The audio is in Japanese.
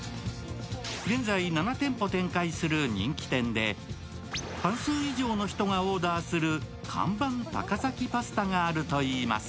現在７店舗展開する人気店で半数以上の人がオーダーする看板高崎パスタがあるといいます。